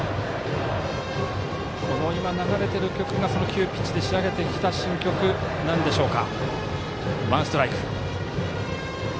この今流れている曲が急ピッチで仕上げてきた新曲でしょうか。